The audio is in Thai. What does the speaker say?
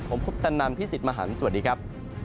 ผมพุทธนามพิสิทธิ์มหันภ์สวัสดีครับ